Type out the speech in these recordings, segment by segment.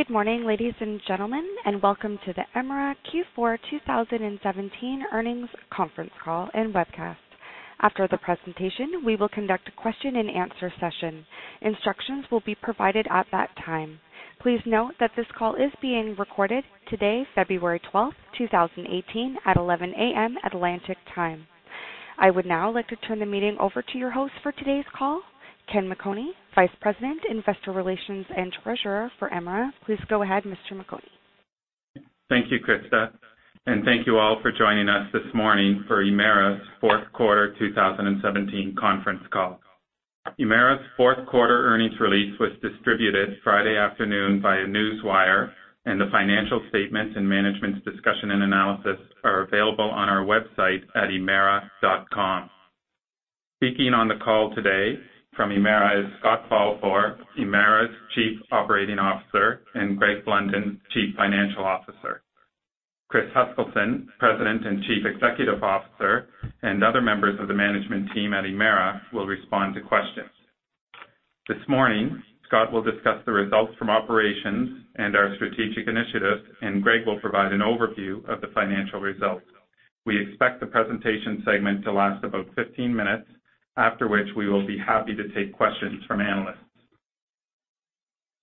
Good morning, ladies and gentlemen, welcome to the Emera Q4 2017 earnings conference call and webcast. After the presentation, we will conduct a question and answer session. Instructions will be provided at that time. Please note that this call is being recorded today, February 12, 2018, at 11:00 A.M. Atlantic time. I would now like to turn the meeting over to your host for today's call, Ken McOnie, Vice President, Investor Relations and Treasurer for Emera. Please go ahead, Mr. McOnie. Thank you, Krista, thank you all for joining us this morning for Emera's fourth quarter 2017 conference call. Emera's fourth-quarter earnings release was distributed Friday afternoon by a newswire, the financial statements and management's discussion and analysis are available on our website at emera.com. Speaking on the call today from Emera is Scott Balfour, Emera's Chief Operating Officer, Greg Blunden, Chief Financial Officer. Chris Huskilson, President and Chief Executive Officer, and other members of the management team at Emera will respond to questions. This morning, Scott will discuss the results from operations and our strategic initiatives, Greg will provide an overview of the financial results. We expect the presentation segment to last about 15 minutes, after which we will be happy to take questions from analysts.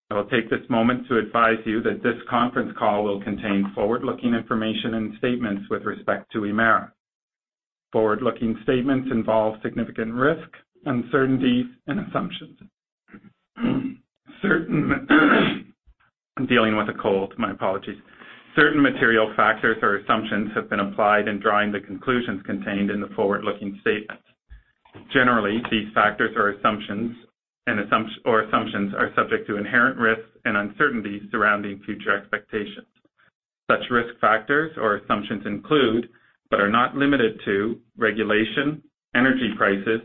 I will take this moment to advise you that this conference call will contain forward-looking information and statements with respect to Emera. Forward-looking statements involve significant risks, uncertainties and assumptions. I'm dealing with a cold. My apologies. Certain material factors or assumptions have been applied in drawing the conclusions contained in the forward-looking statements. Generally, these factors or assumptions are subject to inherent risks and uncertainties surrounding future expectations. Such risk factors or assumptions include, but are not limited to regulation, energy prices,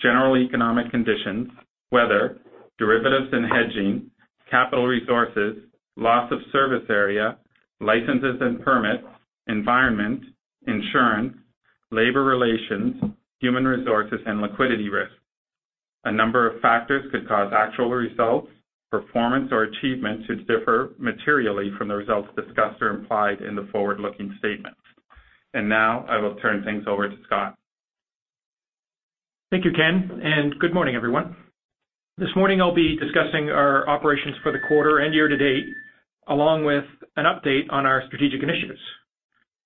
general economic conditions, weather, derivatives and hedging, capital resources, loss of service area, licenses and permits, environment, insurance, labor relations, human resources and liquidity risk. A number of factors could cause actual results, performance or achievements to differ materially from the results discussed or implied in the forward-looking statements. Now I will turn things over to Scott. Thank you, Ken, good morning, everyone. This morning I'll be discussing our operations for the quarter and year-to-date, along with an update on our strategic initiatives.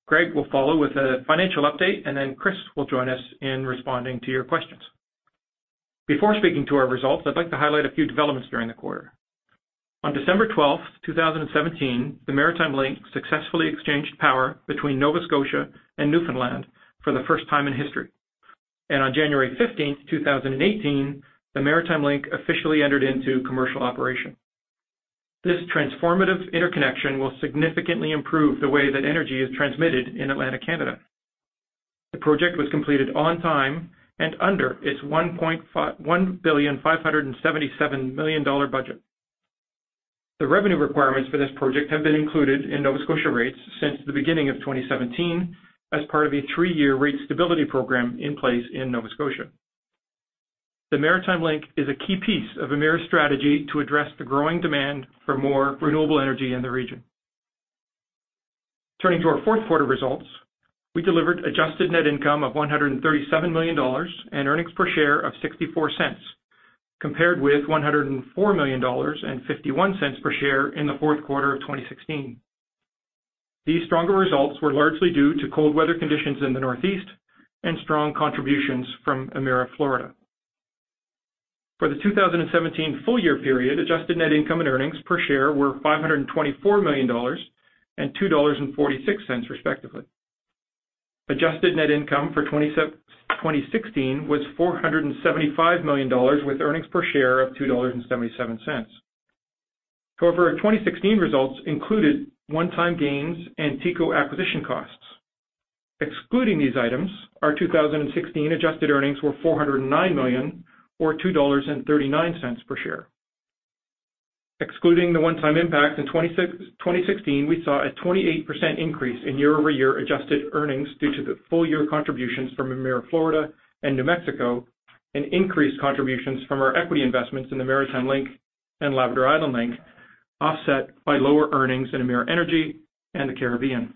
Greg will follow with a financial update, Chris will join us in responding to your questions. Before speaking to our results, I'd like to highlight a few developments during the quarter. On December 12, 2017, the Maritime Link successfully exchanged power between Nova Scotia and Newfoundland for the first time in history. On January 15, 2018, the Maritime Link officially entered into commercial operation. This transformative interconnection will significantly improve the way that energy is transmitted in Atlantic Canada. The project was completed on time and under its 1.577 billion budget. The revenue requirements for this project have been included in Nova Scotia rates since the beginning of 2017 as part of a three-year rate stability program in place in Nova Scotia. The Maritime Link is a key piece of Emera's strategy to address the growing demand for more renewable energy in the region. Turning to our fourth quarter results, we delivered adjusted net income of 137 million dollars and earnings per share of 0.64, compared with 104 million dollars and 0.51 per share in the fourth quarter of 2016. These stronger results were largely due to cold weather conditions in the Northeast and strong contributions from Emera Florida. For the 2017 full-year period, adjusted net income and earnings per share were 524 million dollars and 2.46 dollars respectively. Adjusted net income for 2016 was 475 million dollars, with earnings per share of 2.77 dollars. However, 2016 results included one-time gains and TECO acquisition costs. Excluding these items, our 2016 adjusted earnings were 409 million or 2.39 dollars per share. Excluding the one-time impact in 2016, we saw a 28% increase in year-over-year adjusted earnings due to the full-year contributions from Emera Florida and New Mexico and increased contributions from our equity investments in the Maritime Link and Labrador Island Link, offset by lower earnings in Emera Energy and the Caribbean.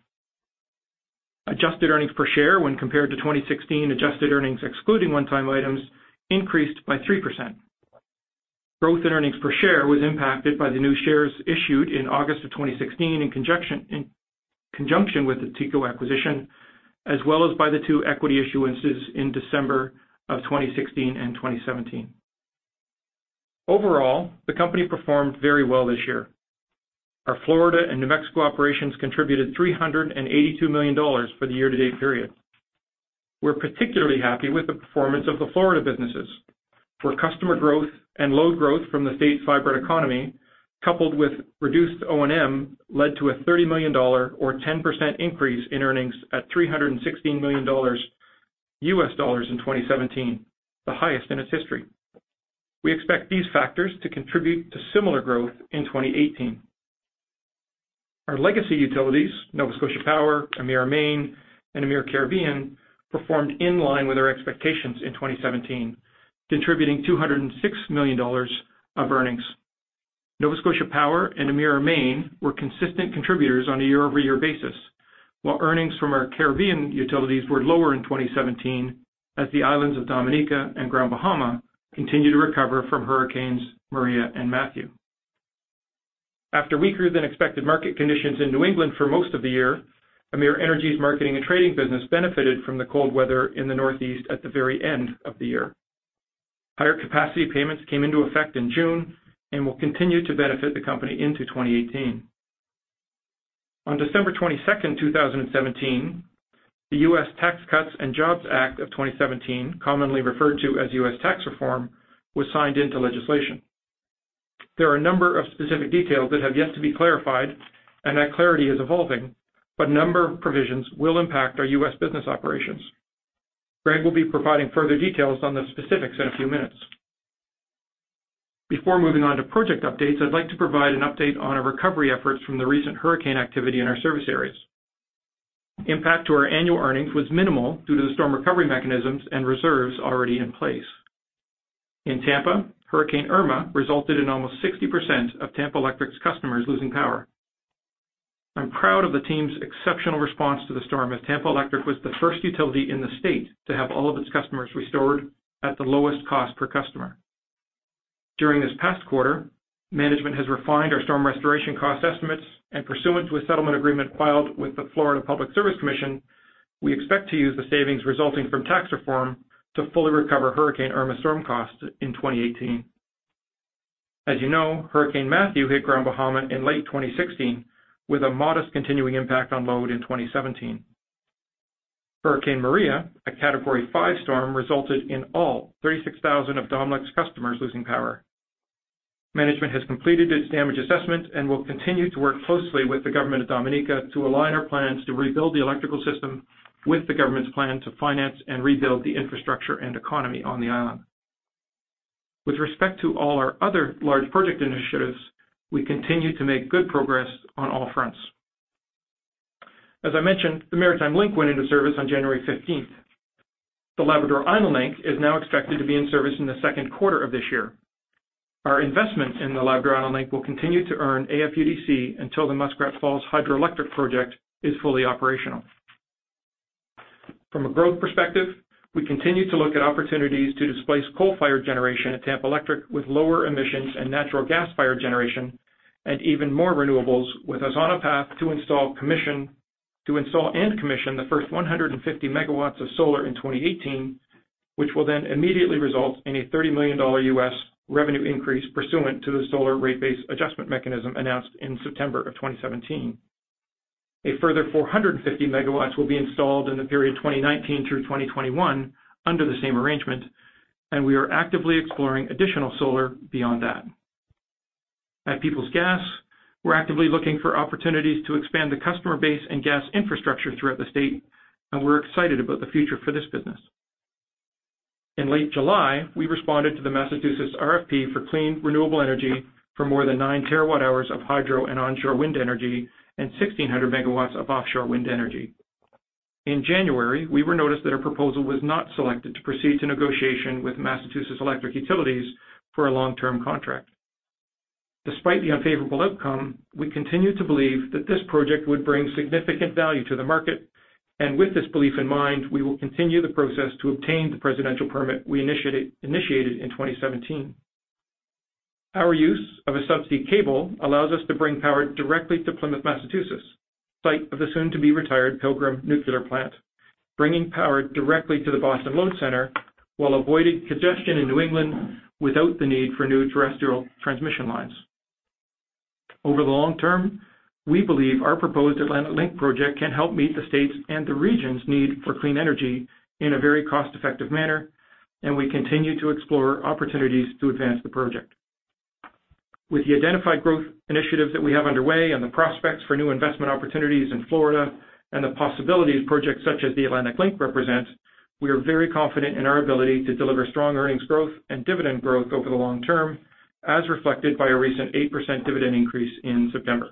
Adjusted earnings per share when compared to 2016 adjusted earnings excluding one-time items increased by 3%. Growth in earnings per share was impacted by the new shares issued in August of 2016 in conjunction with the TECO acquisition, as well as by the two equity issuances in December of 2016 and 2017. Overall, the company performed very well this year. Our Florida and New Mexico operations contributed 382 million dollars for the year-to-date period. We're particularly happy with the performance of the Florida businesses. For customer growth and load growth from the state's vibrant economy, coupled with reduced O&M, led to a $30 million U.S. dollars or 10% increase in earnings at $316 million U.S. dollars in 2017, the highest in its history. We expect these factors to contribute to similar growth in 2018. Our legacy utilities, Nova Scotia Power, Emera Maine, and Emera Caribbean, performed in line with our expectations in 2017, contributing 206 million dollars of earnings. Nova Scotia Power and Emera Maine were consistent contributors on a year-over-year basis, while earnings from our Caribbean utilities were lower in 2017 as the islands of Dominica and Grand Bahama continue to recover from hurricanes Maria and Matthew. After weaker than expected market conditions in New England for most of the year, Emera Energy's marketing and trading business benefited from the cold weather in the Northeast at the very end of the year. Higher capacity payments came into effect in June and will continue to benefit the company into 2018. On December 22, 2017, the U.S. Tax Cuts and Jobs Act of 2017, commonly referred to as U.S. tax reform, was signed into legislation. There are a number of specific details that have yet to be clarified, and that clarity is evolving, but a number of provisions will impact our U.S. business operations. Greg will be providing further details on the specifics in a few minutes. Before moving on to project updates, I'd like to provide an update on our recovery efforts from the recent hurricane activity in our service areas. Impact to our annual earnings was minimal due to the storm recovery mechanisms and reserves already in place. In Tampa, Hurricane Irma resulted in almost 60% of Tampa Electric's customers losing power. I'm proud of the team's exceptional response to the storm, as Tampa Electric was the first utility in the state to have all of its customers restored at the lowest cost per customer. During this past quarter, management has refined our storm restoration cost estimates and pursuant to a settlement agreement filed with the Florida Public Service Commission, we expect to use the savings resulting from tax reform to fully recover Hurricane Irma storm costs in 2018. As you know, Hurricane Matthew hit Grand Bahama in late 2016 with a modest continuing impact on load in 2017. Hurricane Maria, a category 5 storm, resulted in all 36,000 of DOMLEC's customers losing power. Management has completed its damage assessment and will continue to work closely with the government of Dominica to align our plans to rebuild the electrical system with the government's plan to finance and rebuild the infrastructure and economy on the island. With respect to all our other large project initiatives, we continue to make good progress on all fronts. As I mentioned, the Maritime Link went into service on January 15th. The Labrador Island Link is now expected to be in service in the second quarter of this year. Our investment in the Labrador Island Link will continue to earn AFUDC until the Muskrat Falls Hydroelectric Project is fully operational. From a growth perspective, we continue to look at opportunities to displace coal-fired generation at Tampa Electric with lower emissions and natural gas-fired generation and even more renewables, with us on a path to install and commission the first 150 megawatts of solar in 2018, which will then immediately result in a $30 million revenue increase pursuant to the solar rate base adjustment mechanism announced in September of 2017. A further 450 megawatts will be installed in the period 2019 through 2021 under the same arrangement. We are actively exploring additional solar beyond that. At Peoples Gas, we're actively looking for opportunities to expand the customer base and gas infrastructure throughout the state. We're excited about the future for this business. In late July, we responded to the Massachusetts RFP for clean, renewable energy for more than nine terawatt-hours of hydro and onshore wind energy and 1,600 megawatts of offshore wind energy. In January, we were noticed that our proposal was not selected to proceed to negotiation with Massachusetts Electric Utilities for a long-term contract. Despite the unfavorable outcome, we continue to believe that this project would bring significant value to the market. With this belief in mind, we will continue the process to obtain the presidential permit we initiated in 2017. Our use of a subsea cable allows us to bring power directly to Plymouth, Massachusetts, site of the soon-to-be-retired Pilgrim Nuclear Plant, bringing power directly to the Boston Load Center while avoiding congestion in New England without the need for new terrestrial transmission lines. Over the long term, we believe our proposed Atlantic Link project can help meet the state's and the region's need for clean energy in a very cost-effective manner, and we continue to explore opportunities to advance the project. With the identified growth initiatives that we have underway and the prospects for new investment opportunities in Florida and the possibilities projects such as the Atlantic Link represent, we are very confident in our ability to deliver strong earnings growth and dividend growth over the long term, as reflected by a recent 8% dividend increase in September.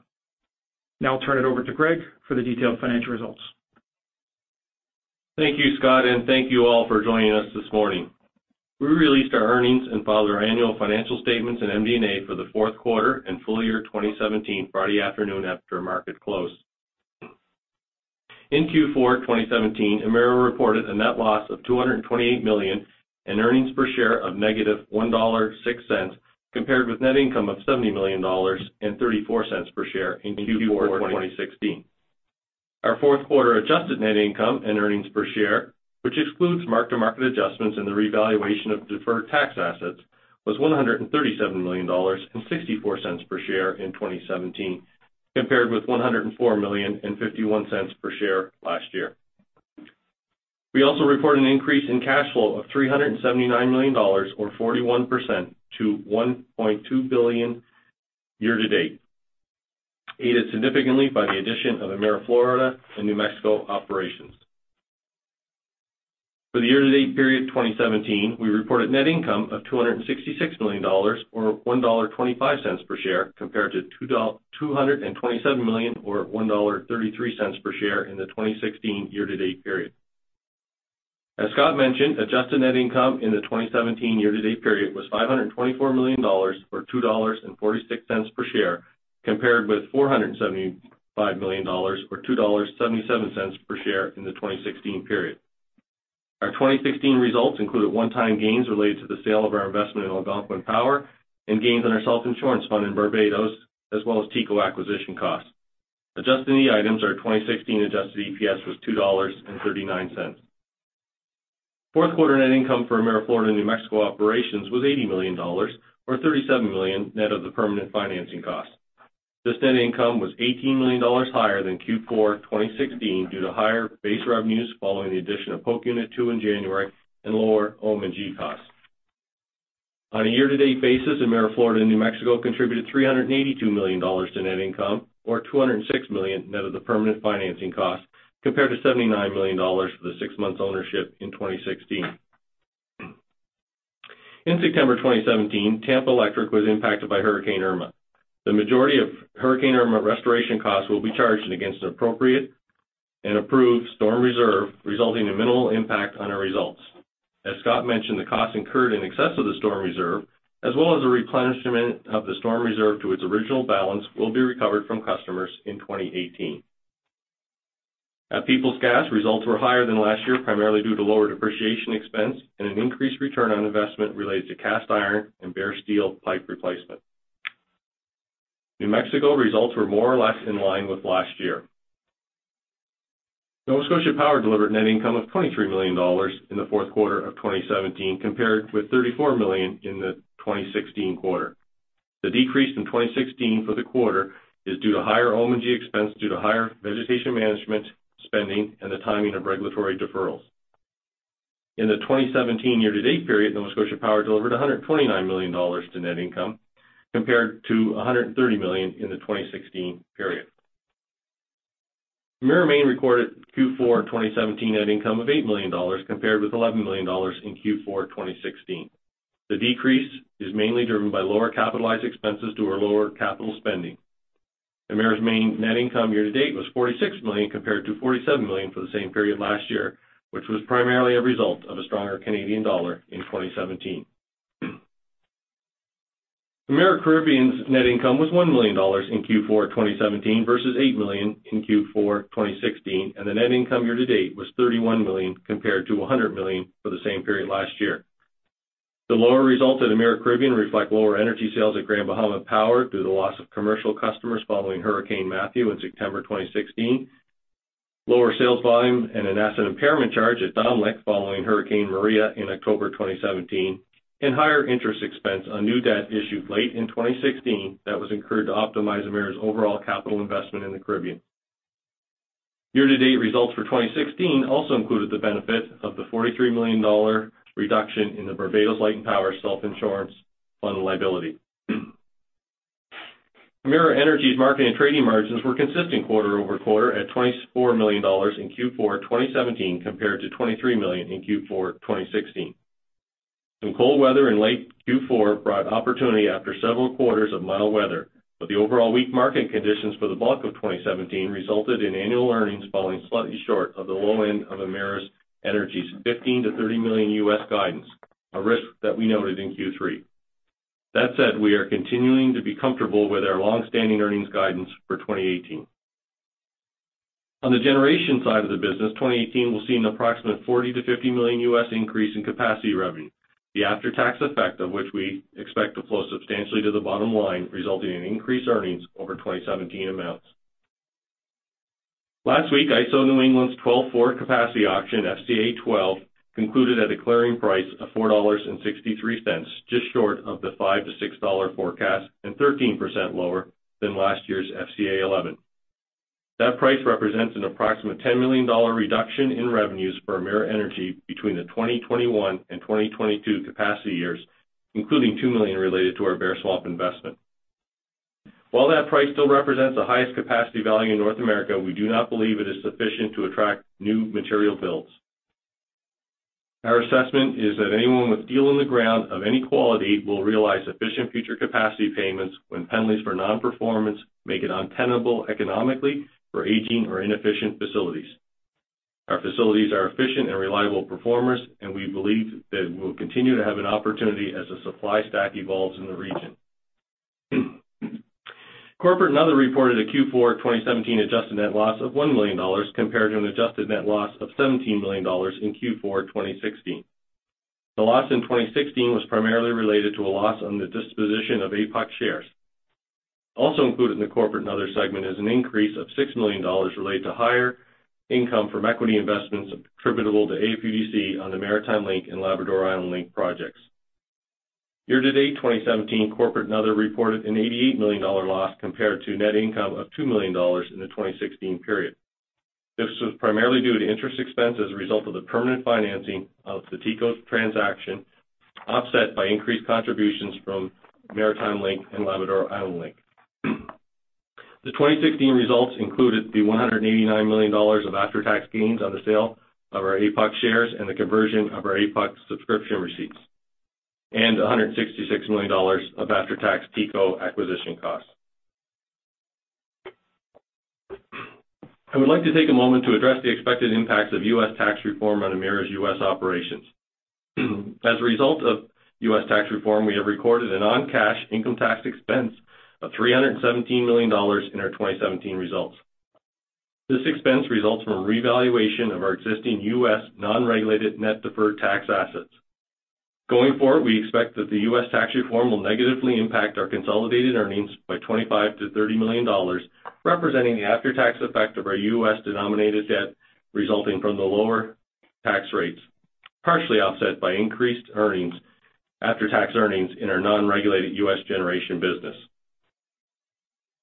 I'll turn it over to Greg for the detailed financial results. Thank you, Scott, and thank you all for joining us this morning. We released our earnings and filed our annual financial statements in MD&A for the fourth quarter and full year 2017, Friday afternoon after market close. In Q4 2017, Emera reported a net loss of 228 million and earnings per share of negative 1.06 dollar compared with net income of 70 million dollars and 0.34 per share in Q4 2016. Our fourth quarter adjusted net income and earnings per share, which excludes mark-to-market adjustments and the revaluation of deferred tax assets, was 137 million dollars and 0.64 per share in 2017, compared with 104 million and 0.51 per share last year. We also reported an increase in cash flow of 379 million dollars or 41% to 1.2 billion year to date, aided significantly by the addition of Emera Florida and New Mexico operations. For the year-to-date period 2017, we reported net income of 266 million dollars, or 1.25 dollar per share, compared to 227 million or 1.33 dollar per share in the 2016 year-to-date period. As Scott mentioned, adjusted net income in the 2017 year-to-date period was 524 million dollars, or 2.46 dollars per share, compared with 475 million dollars or 2.77 dollars per share in the 2016 period. Our 2016 results included one-time gains related to the sale of our investment in Algonquin Power and gains on our self-insurance fund in Barbados, as well as TECO acquisition costs. Adjusting the items, our 2016 adjusted EPS was 2.39 dollars. Fourth quarter net income for Emera Florida and New Mexico operations was 80 million dollars, or 37 million net of the permanent financing cost. This net income was 18 million dollars higher than Q4 2016 due to higher base revenues following the addition of Polk Unit 2 in January and lower O&M&G costs. On a year-to-date basis, Emera Florida and New Mexico contributed 382 million dollars to net income, or 206 million net of the permanent financing cost, compared to 79 million dollars for the six months ownership in 2016. In September 2017, Tampa Electric was impacted by Hurricane Irma. The majority of Hurricane Irma restoration costs will be charged against an appropriate and approved storm reserve, resulting in minimal impact on our results. As Scott mentioned, the cost incurred in excess of the storm reserve, as well as the replenishment of the storm reserve to its original balance, will be recovered from customers in 2018. At Peoples Gas, results were higher than last year, primarily due to lower depreciation expense and an increased return on investment related to cast iron and bare steel pipe replacement. New Mexico results were more or less in line with last year. Nova Scotia Power delivered net income of 23 million dollars in the fourth quarter of 2017, compared with 34 million in the 2016 quarter. The decrease from 2016 for the quarter is due to higher O&M&G expense due to higher vegetation management spending and the timing of regulatory deferrals. In the 2017 year-to-date period, Nova Scotia Power delivered 129 million dollars to net income, compared to 130 million in the 2016 period. Emera Maine recorded Q4 2017 net income of CAD 8 million, compared with CAD 11 million in Q4 2016. The decrease is mainly driven by lower capitalized expenses due to lower capital spending. Emera Maine's net income year-to-date was 46 million, compared to 47 million for the same period last year, which was primarily a result of a stronger Canadian dollar in 2017. Emera Caribbean's net income was 1 million dollars in Q4 2017 versus 8 million in Q4 2016, and the net income year-to-date was 31 million compared to 100 million for the same period last year. The lower results at Emera Caribbean reflect lower energy sales at Grand Bahama Power due to the loss of commercial customers following Hurricane Matthew in September 2016, lower sales volume, and an asset impairment charge at DOMLEC following Hurricane Maria in October 2017, and higher interest expense on new debt issued late in 2016 that was incurred to optimize Emera's overall capital investment in the Caribbean. Year-to-date results for 2016 also included the benefit of the 43 million dollar reduction in the Barbados Light & Power self-insurance fund liability. Emera Energy's market and trading margins were consistent quarter-over-quarter at 24 million dollars in Q4 2017 compared to 23 million in Q4 2016. The overall weak market conditions for the bulk of 2017 resulted in annual earnings falling slightly short of the low end of Emera Energy's $15 million-$30 million US guidance, a risk that we noted in Q3. That said, we are continuing to be comfortable with our long-standing earnings guidance for 2018. On the generation side of the business, 2018 will see an approximate $40 million-$50 million US increase in capacity revenue, the after-tax effect of which we expect to flow substantially to the bottom line, resulting in increased earnings over 2017 amounts. Last week, ISO New England's 12-4 capacity auction, FCA 12, concluded at a clearing price of $4.63, just short of the $5-$6 forecast and 13% lower than last year's FCA 11. That price represents an approximate $10 million reduction in revenues for Emera Energy between the 2021 and 2022 capacity years, including $2 million related to our Bear Swamp investment. While that price still represents the highest capacity value in North America, we do not believe it is sufficient to attract new material builds. Our assessment is that anyone with steel in the ground of any quality will realize sufficient future capacity payments when penalties for non-performance make it untenable economically for aging or inefficient facilities. Our facilities are efficient and reliable performers, and we believe that we'll continue to have an opportunity as the supply stack evolves in the region. Corporate and other reported a Q4 2017 adjusted net loss of CAD 1 million, compared to an adjusted net loss of CAD 17 million in Q4 2016. The loss in 2016 was primarily related to a loss on the disposition of APUC shares. Also included in the corporate and other segment is an increase of 6 million dollars related to higher income from equity investments attributable to APUC on the Maritime Link and Labrador Island Link projects. Year-to-date 2017, corporate and other reported an 88 million dollar loss compared to net income of 2 million dollars in the 2016 period. This was primarily due to interest expense as a result of the permanent financing of the TECO transaction, offset by increased contributions from Maritime Link and Labrador Island Link. The 2016 results included the 189 million dollars of after-tax gains on the sale of our APUC shares and the conversion of our APUC subscription receipts, and 166 million dollars of after-tax TECO acquisition costs. I would like to take a moment to address the expected impacts of U.S. tax reform on Emera's U.S. operations. As a result of U.S. tax reform, we have recorded a non-cash income tax expense of 317 million dollars in our 2017 results. This expense results from a revaluation of our existing U.S. non-regulated net deferred tax assets. Going forward, we expect that the U.S. tax reform will negatively impact our consolidated earnings by 25 million-30 million dollars, representing the after-tax effect of our U.S.-denominated debt resulting from the lower tax rates, partially offset by increased after-tax earnings in our non-regulated U.S. generation business.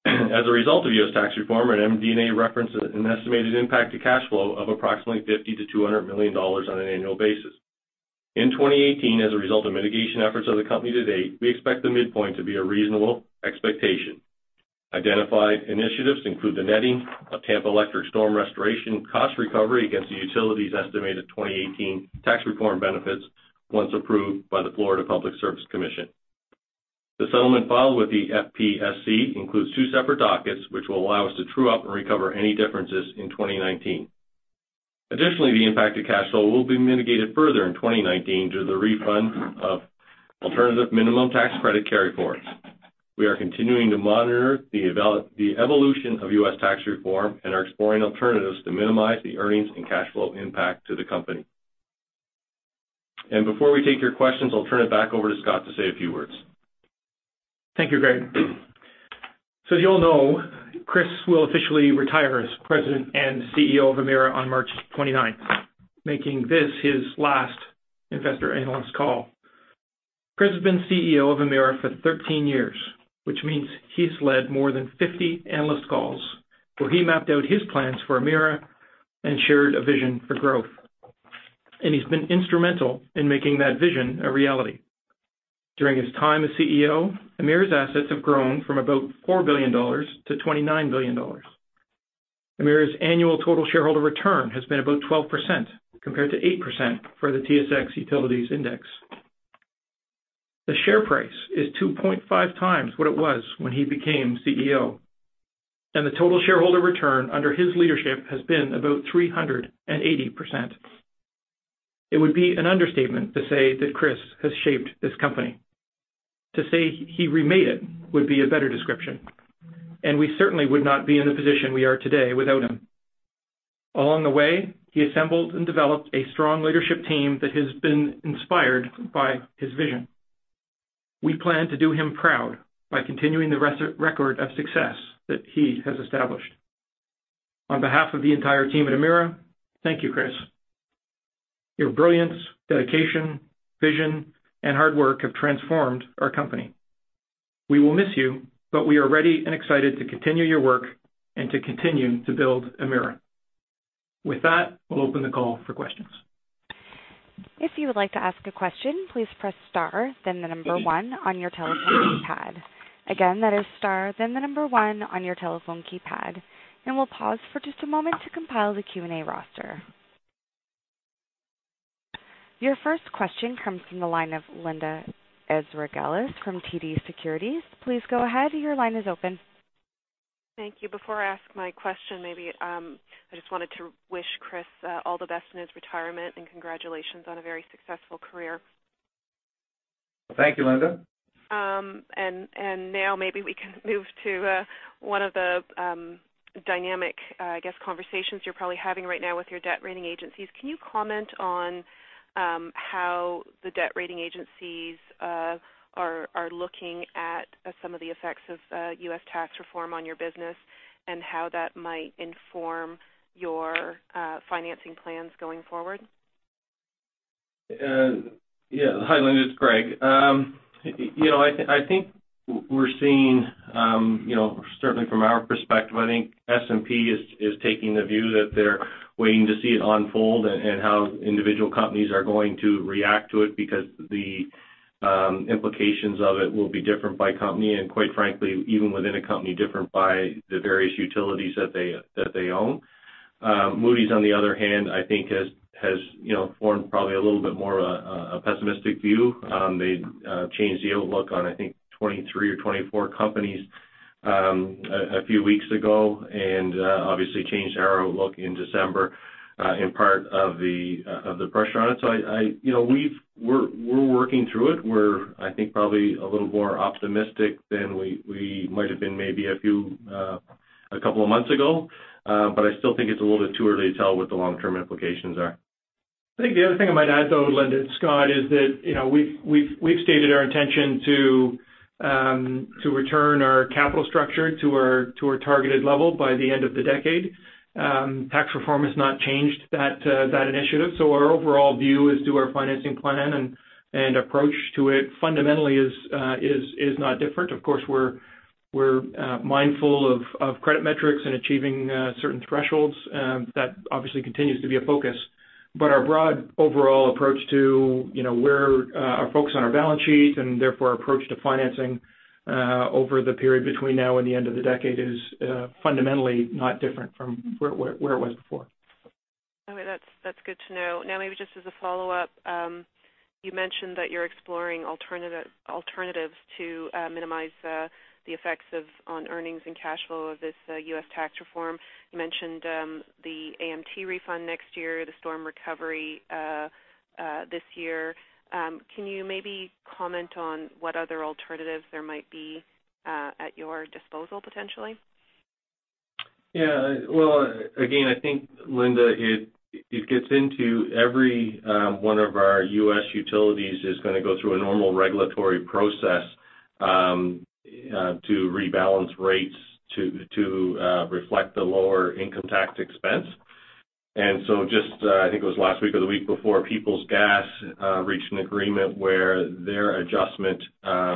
As a result of U.S. tax reform and MD&A reference, an estimated impact to cash flow of approximately 50 million-200 million dollars on an annual basis. In 2018, as a result of mitigation efforts of the company to date, we expect the midpoint to be a reasonable expectation. Identified initiatives include the netting of Tampa Electric storm restoration cost recovery against the utility's estimated 2018 tax reform benefits, once approved by the Florida Public Service Commission. The settlement filed with the FPSC includes two separate dockets, which will allow us to true up and recover any differences in 2019. Additionally, the impact to cash flow will be mitigated further in 2019 due to the refund of alternative minimum tax credit carryforwards. We are continuing to monitor the evolution of U.S. tax reform and are exploring alternatives to minimize the earnings and cash flow impact to the company. Before we take your questions, I'll turn it back over to Scott to say a few words. Thank you, Greg. As you all know, Chris will officially retire as President and CEO of Emera on March 29th, making this his last investor analyst call. Chris has been CEO of Emera for 13 years, which means he has led more than 50 analyst calls, where he mapped out his plans for Emera and shared a vision for growth. He has been instrumental in making that vision a reality. During his time as CEO, Emera's assets have grown from about 4 billion dollars to 29 billion dollars. Emera's annual total shareholder return has been about 12%, compared to 8% for the TSX Utilities Index. The share price is 2.5 times what it was when he became CEO, and the total shareholder return under his leadership has been about 380%. It would be an understatement to say that Chris has shaped this company. To say he remade it would be a better description, and we certainly would not be in the position we are today without him. Along the way, he assembled and developed a strong leadership team that has been inspired by his vision. We plan to do him proud by continuing the record of success that he has established. On behalf of the entire team at Emera, thank you, Chris. Your brilliance, dedication, vision, and hard work have transformed our company. We will miss you, but we are ready and excited to continue your work and to continue to build Emera. With that, we will open the call for questions. If you would like to ask a question, please press star then the number one on your telephone keypad. Again, that is star then the number one on your telephone keypad. We will pause for just a moment to compile the Q&A roster. Your first question comes from the line of Linda Ezergailis from TD Securities. Please go ahead, your line is open. Thank you. Before I ask my question, maybe I just wanted to wish Chris all the best in his retirement and congratulations on a very successful career. Thank you, Linda. Maybe we can move to one of the dynamic conversations you're probably having right now with your debt rating agencies. Can you comment on how the debt rating agencies are looking at some of the effects of U.S. tax reform on your business and how that might inform your financing plans going forward? Hi, Linda. It's Greg. I think we're seeing, certainly from our perspective, S&P is taking the view that they're waiting to see it unfold and how individual companies are going to react to it because the implications of it will be different by company, and quite frankly, even within a company, different by the various utilities that they own. Moody's, on the other hand, I think has formed probably a little bit more of a pessimistic view. They changed the outlook on, I think, 23 or 24 companies a few weeks ago, and obviously changed our outlook in December in part of the pressure on it. We're working through it. We're, I think, probably a little more optimistic than we might have been maybe a couple of months ago. I still think it's a little bit too early to tell what the long-term implications are. I think the other thing I might add, though, Linda and Scott, is that we've stated our intention to return our capital structure to our targeted level by the end of the decade. Tax reform has not changed that initiative. Our overall view as to our financing plan and approach to it fundamentally is not different. Of course, we're mindful of credit metrics and achieving certain thresholds. That obviously continues to be a focus. Our broad overall approach to where our focus on our balance sheet and therefore our approach to financing over the period between now and the end of the decade is fundamentally not different from where it was before. Okay, that's good to know. Maybe just as a follow-up, you mentioned that you're exploring alternatives to minimize the effects on earnings and cash flow of this U.S. tax reform. You mentioned the AMT refund next year, the storm recovery this year. Can you maybe comment on what other alternatives there might be at your disposal, potentially? Well, again, I think, Linda, it gets into every one of our U.S. utilities is going to go through a normal regulatory process to rebalance rates to reflect the lower income tax expense. Just, I think it was last week or the week before, Peoples Gas reached an agreement where their adjustment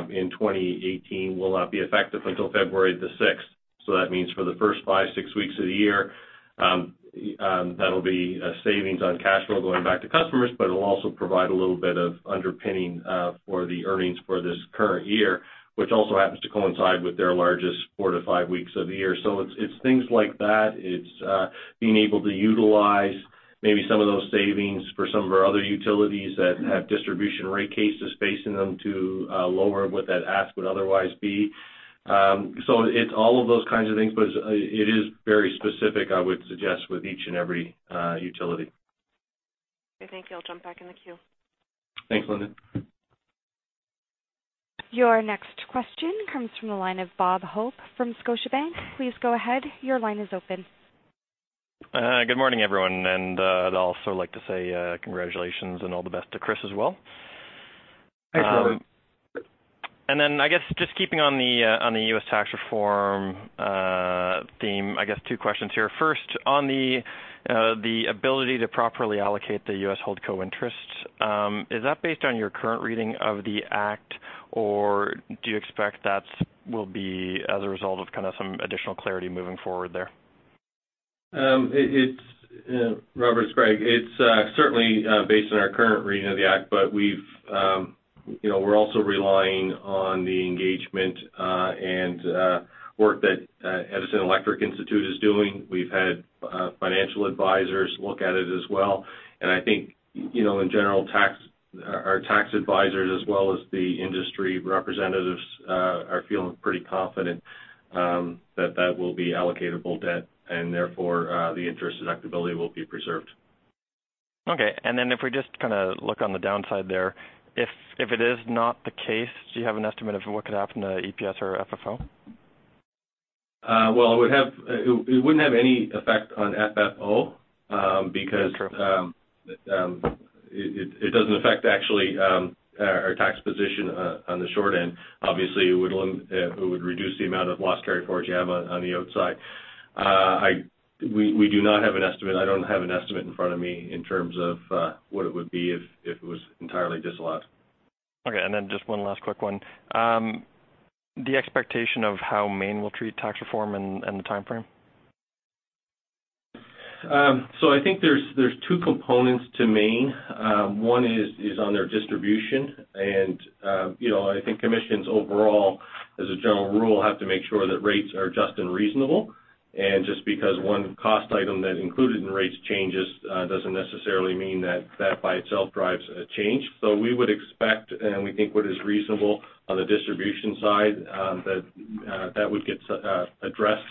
in 2018 will not be effective until February the 6th. That means for the first five, six weeks of the year, that'll be a savings on cash flow going back to customers, but it'll also provide a little bit of underpinning for the earnings for this current year, which also happens to coincide with their largest four to five weeks of the year. It's things like that. It's being able to utilize maybe some of those savings for some of our other utilities that have distribution rate cases facing them to lower what that ask would otherwise be. It's all of those kinds of things, but it is very specific, I would suggest, with each and every utility. Okay, thank you. I'll jump back in the queue. Thanks, Linda. Your next question comes from the line of Robert Hope from Scotiabank. Please go ahead. Your line is open. Good morning, everyone. I'd also like to say congratulations and all the best to Chris as well. Thanks, Robert. I guess, just keeping on the U.S. tax reform theme, I guess two questions here. First, on the ability to properly allocate the U.S. holdco interest, is that based on your current reading of the act, or do you expect that will be as a result of kind of some additional clarity moving forward there? Robert, it's Greg. It's certainly based on our current reading of the act, but we're also relying on the engagement and work that Edison Electric Institute is doing. We've had financial advisors look at it as well. I think in general, our tax advisors as well as the industry representatives are feeling pretty confident that that will be allocatable debt and therefore the interest deductibility will be preserved. If we just kind of look on the downside there, if it is not the case, do you have an estimate of what could happen to EPS or FFO? It wouldn't have any effect on FFO because- That's true It doesn't actually affect our tax position on the short end. Obviously, it would reduce the amount of loss carryforward you have on the outside. We do not have an estimate. I don't have an estimate in front of me in terms of what it would be if it was entirely disallowed. Okay, just one last quick one. The expectation of how Maine will treat tax reform and the timeframe? I think there's two components to Maine. One is on their distribution. I think commissions overall, as a general rule, have to make sure that rates are just and reasonable. Just because one cost item that's included in rates changes doesn't necessarily mean that that by itself drives a change. We would expect, and we think what is reasonable on the distribution side, that that would get addressed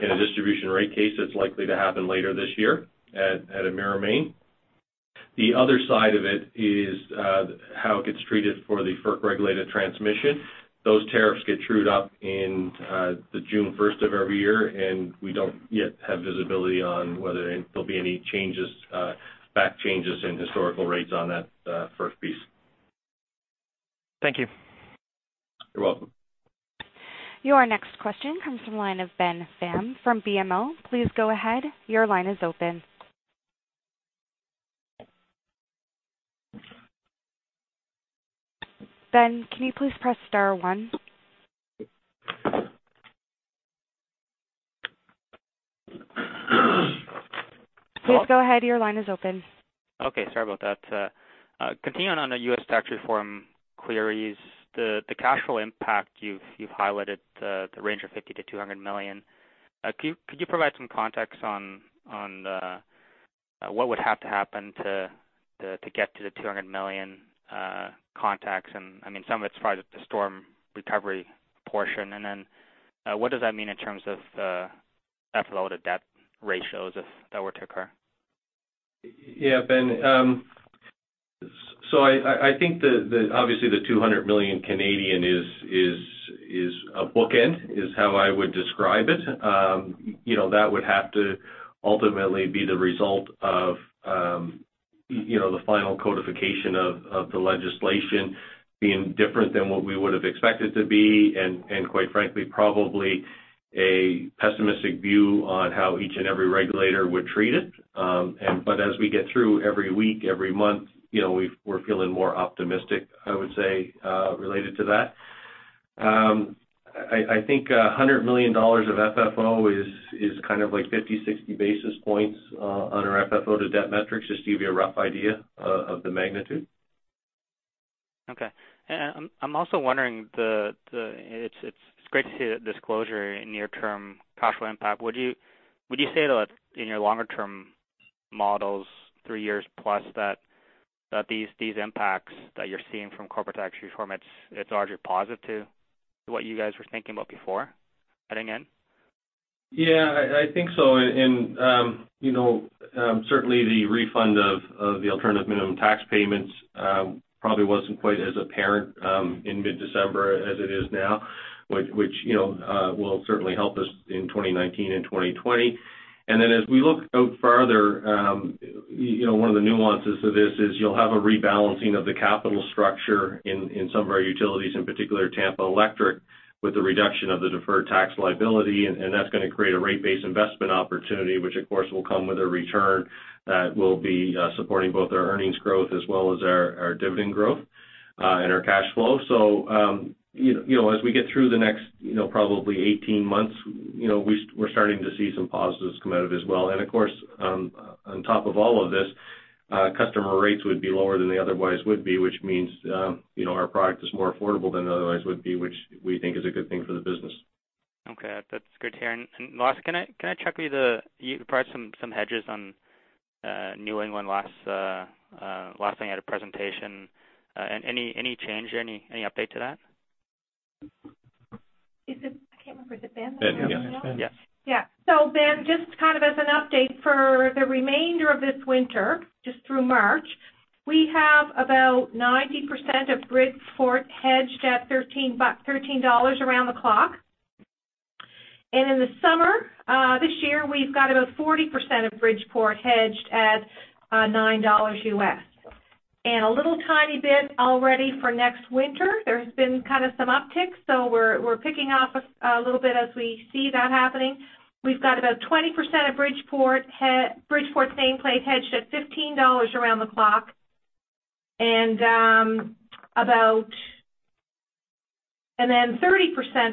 in a distribution rate case that's likely to happen later this year at Emera Maine. The other side of it is how it gets treated for the FERC-regulated transmission. Those tariffs get trued up in the June 1st of every year, and we don't yet have visibility on whether there'll be any changes, back changes in historical rates on that FERC piece. Thank you. You're welcome. Your next question comes from the line of Ben Pham from BMO. Please go ahead. Your line is open. Ben, can you please press star one? Please go ahead. Your line is open. Okay. Sorry about that. Continuing on the U.S. tax reform queries, the cash flow impact, you've highlighted the range of 50 million-200 million. Could you provide some context on what would have to happen to get to the 200 million context? I mean, some of it's probably the storm recovery portion. What does that mean in terms of FFO to debt ratios if that were to occur? Ben. I think that obviously the 200 million is a bookend, is how I would describe it. That would have to ultimately be the result of the final codification of the legislation being different than what we would have expected to be, and quite frankly, probably a pessimistic view on how each and every regulator would treat it. As we get through every week, every month, we're feeling more optimistic, I would say, related to that. I think 100 million dollars of FFO is kind of like 50, 60 basis points on our FFO to debt metrics, just to give you a rough idea of the magnitude. Okay. I'm also wondering, it's great to see that disclosure in near-term cash flow impact. Would you say that in your longer-term models, three years plus, that these impacts that you're seeing from corporate tax reform, it's largely positive to what you guys were thinking about before heading in? I think so. Certainly the refund of the alternative minimum tax payments probably wasn't quite as apparent in mid-December as it is now, which will certainly help us in 2019 and 2020. As we look out farther, one of the nuances to this is you'll have a rebalancing of the capital structure in some of our utilities, in particular Tampa Electric, with the reduction of the deferred tax liability, and that's going to create a rate-based investment opportunity, which of course will come with a return that will be supporting both our earnings growth as well as our dividend growth and our cash flow. As we get through the next probably 18 months, we're starting to see some positives come out of it as well. Of course, on top of all of this, customer rates would be lower than they otherwise would be, which means our product is more affordable than it otherwise would be, which we think is a good thing for the business. Okay. That's good to hear. Last, can I check with you priced some hedges on New England last thing at a presentation. Any change there? Any update to that? I can't remember, is it Ben that Ben, yes. Yes. Yeah. Ben, just kind of as an update for the remainder of this winter, just through March, we have about 90% of Bridgeport hedged at $13 around the clock. In the summer, this year, we've got about 40% of Bridgeport hedged at $9 U.S. A little tiny bit already for next winter. There's been kind of some upticks, so we're picking off a little bit as we see that happening. We've got about 20% of Bridgeport's nameplate hedged at $15 around the clock, then 30%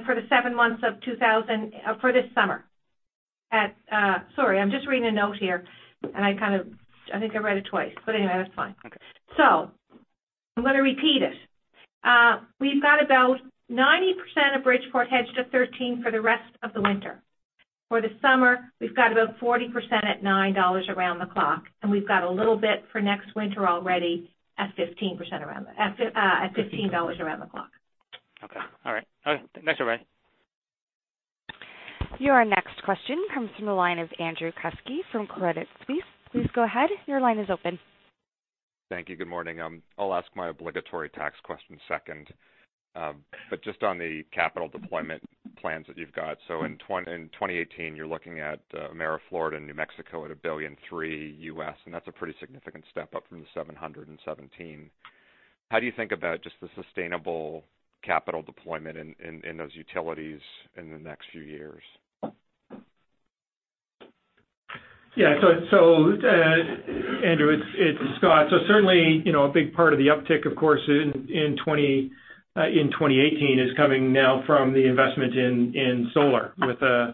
for the seven months for this summer at Sorry, I'm just reading a note here, I think I read it twice, anyway, that's fine. Okay. I'm going to repeat it. We've got about 90% of Bridgeport hedged at 13 for the rest of the winter. For the summer, we've got about 40% at 9 dollars around the clock, and we've got a little bit for next winter already at 15% at CAD 15 around the clock. Okay. All right. Thanks, everybody. Your next question comes from the line of Andrew Kuske from Credit Suisse. Please go ahead. Your line is open. Thank you. Good morning. I'll ask my obligatory tax question second. Just on the capital deployment plans that you've got. In 2018, you're looking at Emera Florida and New Mexico at $1.3 billion U.S., and that's a pretty significant step up from the 717. How do you think about just the sustainable capital deployment in those utilities in the next few years? Andrew, it's Scott. Certainly, a big part of the uptick, of course, in 2018 is coming now from the investment in solar with a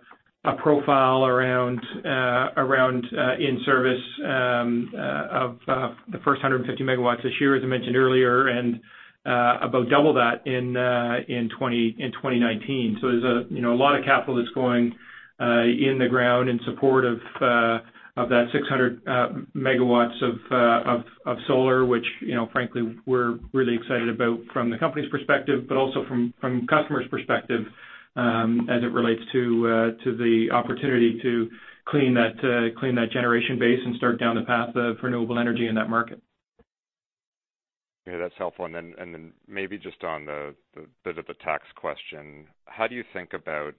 profile around in-service of the first 150 MW this year, as I mentioned earlier, and about double that in 2019. There's a lot of capital that's going in the ground in support of that 600 MW of solar, which frankly we're really excited about from the company's perspective, but also from customers' perspective, as it relates to the opportunity to clean that generation base and start down the path of renewable energy in that market. Okay, that's helpful. Maybe just on the bit of a tax question, how do you think about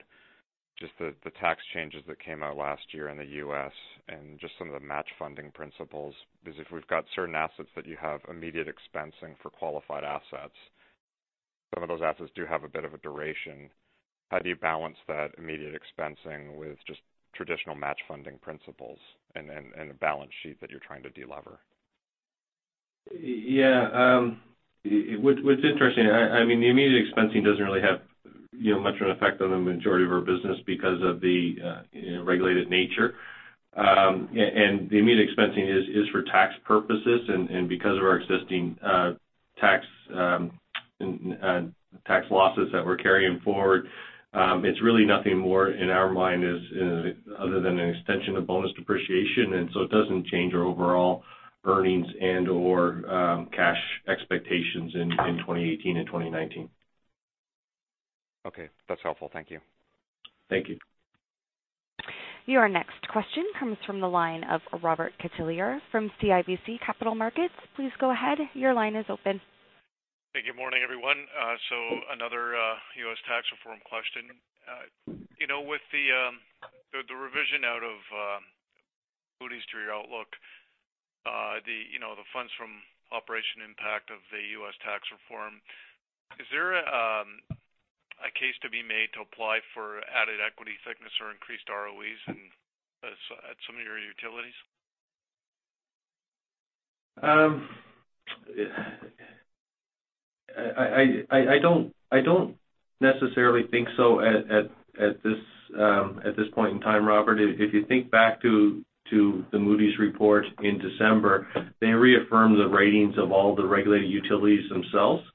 just the tax changes that came out last year in the U.S. and just some of the match funding principles? Because if we've got certain assets that you have immediate expensing for qualified assets, some of those assets do have a bit of a duration. How do you balance that immediate expensing with just traditional match funding principles and a balance sheet that you're trying to de-lever? What's interesting, the immediate expensing doesn't really have much of an effect on the majority of our business because of the regulated nature. The immediate expensing is for tax purposes, and because of our existing tax losses that we're carrying forward, it's really nothing more in our mind other than an extension of bonus depreciation, it doesn't change our overall earnings and/or cash expectations in 2018 and 2019. Okay. That's helpful. Thank you. Thank you. Your next question comes from the line of Robert Catellier from CIBC Capital Markets. Please go ahead. Your line is open. Hey, good morning, everyone. Another U.S. tax reform question. With the revision out of Moody's to your outlook, the funds from operation impact of the U.S. tax reform, is there a case to be made to apply for added equity thickness or increased ROEs at some of your utilities? I don't- Necessarily think so at this point in time, Robert. If you think back to the Moody's report in December, they reaffirmed the ratings of all the regulated utilities themselves.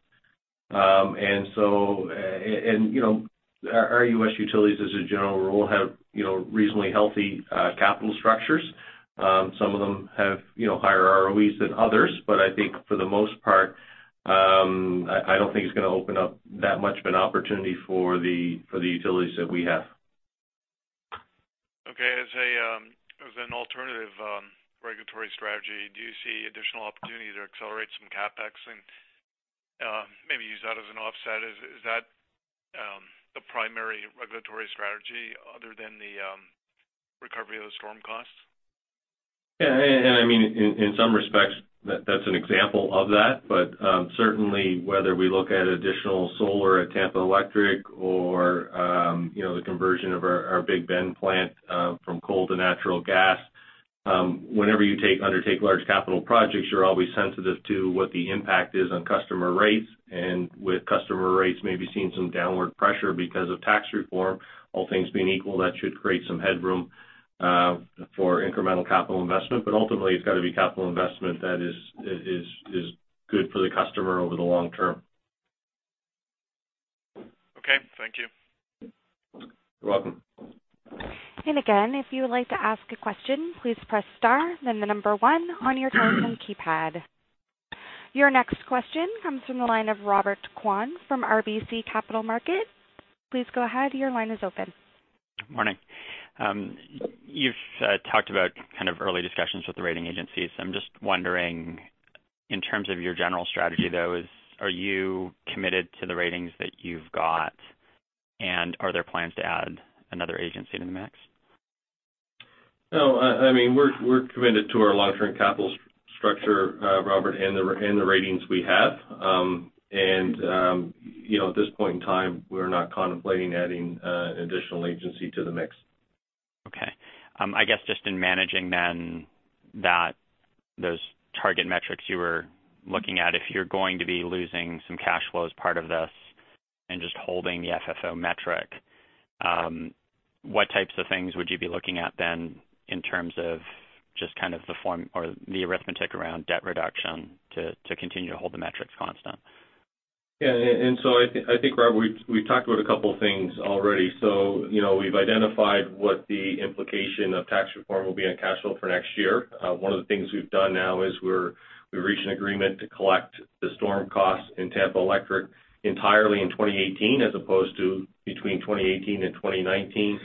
Our U.S. utilities, as a general rule, have reasonably healthy capital structures. Some of them have higher ROEs than others. I think for the most part, I don't think it's going to open up that much of an opportunity for the utilities that we have. Okay. As an alternative regulatory strategy, do you see additional opportunity to accelerate some CapEx and maybe use that as an offset? Is that the primary regulatory strategy other than the recovery of the storm costs? Yeah. In some respects, that's an example of that. Certainly, whether we look at additional solar at Tampa Electric or the conversion of our Big Bend plant from coal to natural gas. Whenever you undertake large capital projects, you're always sensitive to what the impact is on customer rates. With customer rates maybe seeing some downward pressure because of tax reform, all things being equal, that should create some headroom for incremental capital investment. Ultimately, it's got to be capital investment that is good for the customer over the long term. Okay, thank you. You're welcome. Again, if you would like to ask a question, please press star, then the number one on your telephone keypad. Your next question comes from the line of Robert Kwan from RBC Capital Markets. Please go ahead. Your line is open. Morning. You've talked about kind of early discussions with the rating agencies. I'm just wondering, in terms of your general strategy, though, are you committed to the ratings that you've got? Are there plans to add another agency to the mix? No, we're committed to our long-term capital structure, Robert, and the ratings we have. At this point in time, we're not contemplating adding an additional agency to the mix. Okay. I guess just in managing then those target metrics you were looking at, if you're going to be losing some cash flow as part of this and just holding the FFO metric, what types of things would you be looking at then in terms of just kind of the form or the arithmetic around debt reduction to continue to hold the metrics constant? Yeah. I think, Robert, we've talked about a couple things already. We've identified what the implication of tax reform will be on cash flow for next year. One of the things we've done now is we've reached an agreement to collect the storm costs in Tampa Electric entirely in 2018 as opposed to between 2018 and 2019.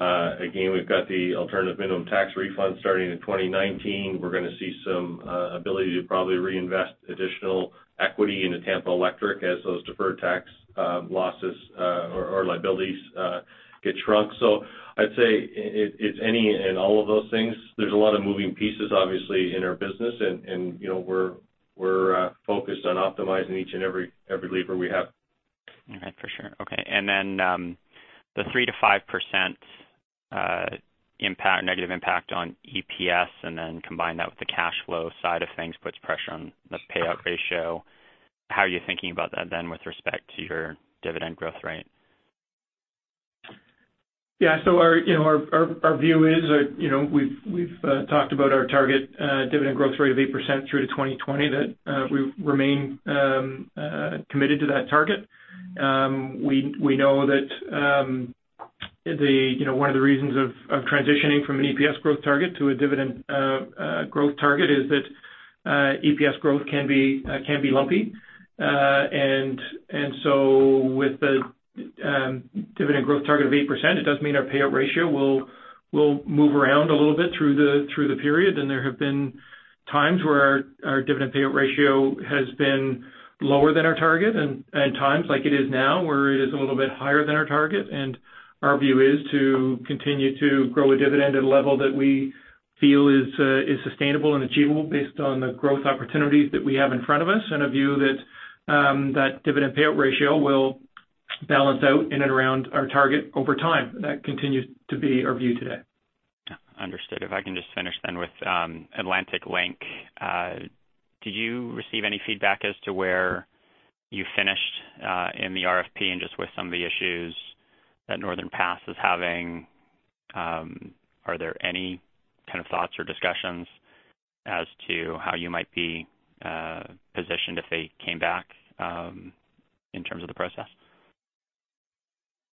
Again, we've got the alternative minimum tax refund starting in 2019. We're going to see some ability to probably reinvest additional equity into Tampa Electric as those deferred tax losses or liabilities get shrunk. I'd say it's any and all of those things. There's a lot of moving pieces, obviously, in our business, and we're focused on optimizing each and every lever we have. All right, for sure. Okay. The 3%-5% negative impact on EPS, combine that with the cash flow side of things, puts pressure on the payout ratio. How are you thinking about that then with respect to your dividend growth rate? Yeah. Our view is, we've talked about our target dividend growth rate of 8% through to 2020, that we remain committed to that target. We know that one of the reasons of transitioning from an EPS growth target to a dividend growth target is that EPS growth can be lumpy. With the dividend growth target of 8%, it does mean our payout ratio will move around a little bit through the period. There have been times where our dividend payout ratio has been lower than our target, and times like it is now, where it is a little bit higher than our target. Our view is to continue to grow a dividend at a level that we feel is sustainable and achievable based on the growth opportunities that we have in front of us, and a view that dividend payout ratio will balance out in and around our target over time. That continues to be our view today. Understood. If I can just finish then with Atlantic Link. Did you receive any feedback as to where you finished in the RFP and just with some of the issues that Northern Pass is having? Are there any kind of thoughts or discussions as to how you might be positioned if they came back, in terms of the process?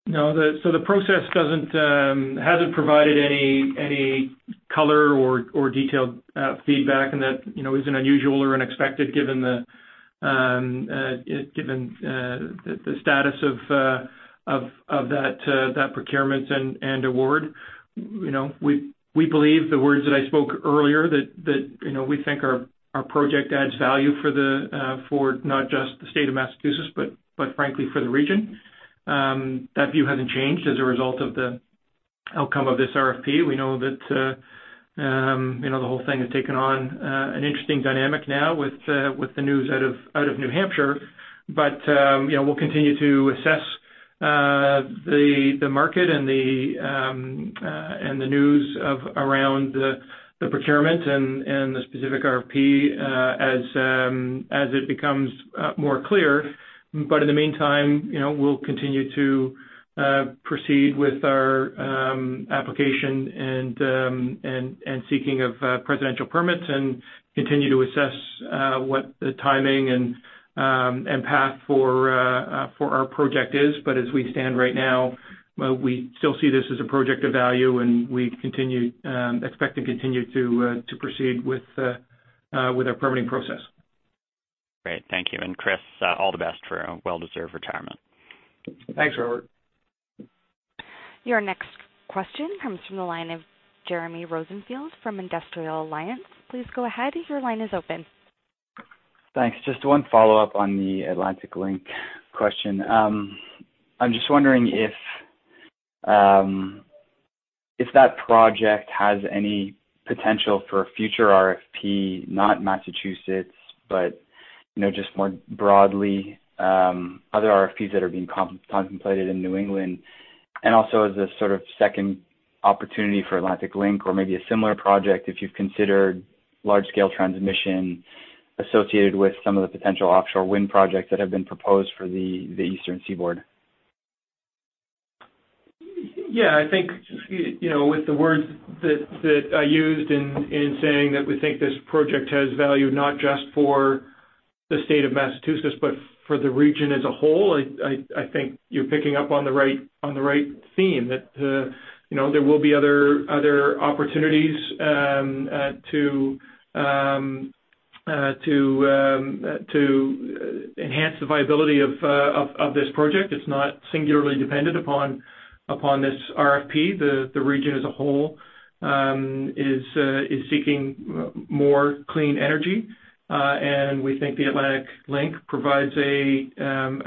No. The process hasn't provided any color or detailed feedback, and that isn't unusual or unexpected given the status of that procurement and award. We believe the words that I spoke earlier, that we think our project adds value for not just the state of Massachusetts, but frankly, for the region. That view hasn't changed as a result of the outcome of this RFP. We know that the whole thing has taken on an interesting dynamic now with the news out of New Hampshire. We'll continue to assess The market and the news around the procurement and the specific RFP as it becomes more clear. In the meantime, we'll continue to proceed with our application and seeking of presidential permits and continue to assess what the timing and path for our project is. As we stand right now, we still see this as a project of value, and we expect to continue to proceed with our permitting process. Great. Thank you. Chris, all the best for a well-deserved retirement. Thanks, Robert. Your next question comes from the line of Jeremy Rosenfield from Industrial Alliance. Please go ahead. Your line is open. Thanks. Just one follow-up on the Atlantic Link question. I'm just wondering if that project has any potential for a future RFP, not Massachusetts, but just more broadly, other RFPs that are being contemplated in New England. Also, as a sort of second opportunity for Atlantic Link or maybe a similar project, if you've considered large-scale transmission associated with some of the potential offshore wind projects that have been proposed for the Eastern Seaboard. I think with the words that I used in saying that we think this project has value not just for the state of Massachusetts, but for the region as a whole, I think you are picking up on the right theme. That there will be other opportunities to enhance the viability of this project. It's not singularly dependent upon this RFP. The region as a whole is seeking more clean energy. We think the Atlantic Link provides an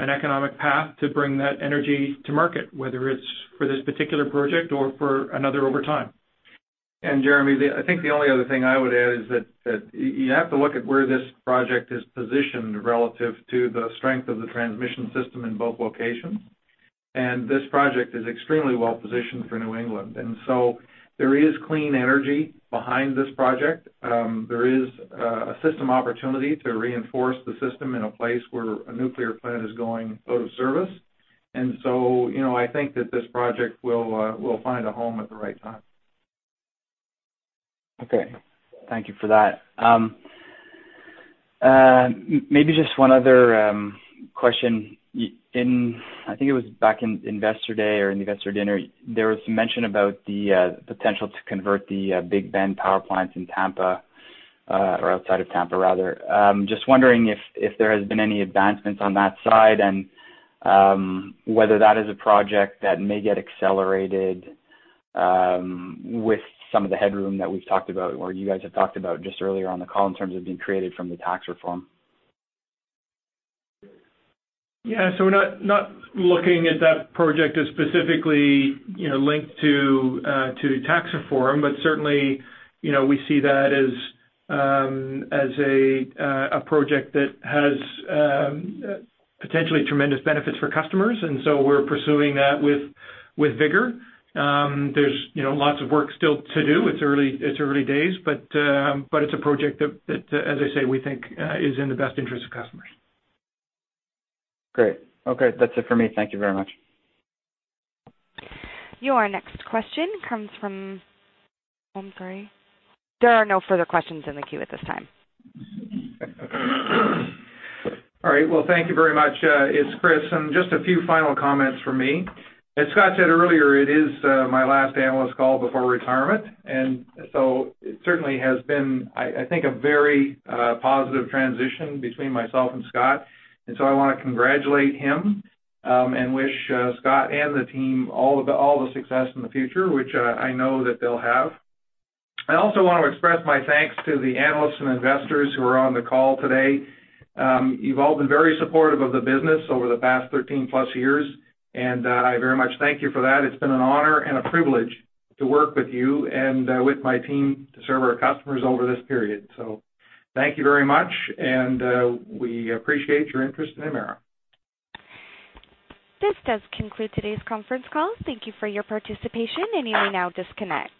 economic path to bring that energy to market, whether it's for this particular project or for another over time. Jeremy, I think the only other thing I would add is that you have to look at where this project is positioned relative to the strength of the transmission system in both locations. This project is extremely well-positioned for New England. There is clean energy behind this project. There is a system opportunity to reinforce the system in a place where a nuclear plant is going out of service. I think that this project will find a home at the right time. Okay. Thank you for that. Maybe just one other question. I think it was back in Investor Day or Investor Dinner, there was some mention about the potential to convert the Big Bend Power plants in Tampa, or outside of Tampa, rather. Just wondering if there has been any advancements on that side and whether that is a project that may get accelerated with some of the headroom that we've talked about or you guys have talked about just earlier on the call in terms of being created from the tax reform. Yeah. We are not looking at that project as specifically linked to tax reform. Certainly, we see that as a project that has potentially tremendous benefits for customers. We are pursuing that with vigor. There's lots of work still to do. It's early days, but it's a project that, as I say, we think is in the best interest of customers. Great. Okay. That's it for me. Thank you very much. There are no further questions in the queue at this time. All right. Well, thank you very much. It's Chris, and just a few final comments from me. As Scott said earlier, it is my last analyst call before retirement, and so it certainly has been, I think, a very positive transition between myself and Scott. I want to congratulate him, and wish Scott and the team all the success in the future, which I know that they'll have. I also want to express my thanks to the analysts and investors who are on the call today. You've all been very supportive of the business over the past 13-plus years, and I very much thank you for that. It's been an honor and a privilege to work with you and with my team to serve our customers over this period. Thank you very much, and we appreciate your interest in Emera. This does conclude today's conference call. Thank you for your participation, and you may now disconnect.